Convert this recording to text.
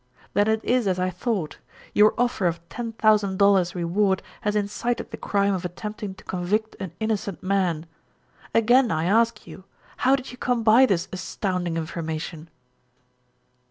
"Then it is as I thought. Your offer of ten thousand dollars reward has incited the crime of attempting to convict an innocent man. Again I ask you, how did you come by this astounding information?"